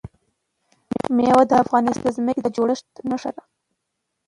مېوې د افغانستان د ځمکې د جوړښت نښه ده.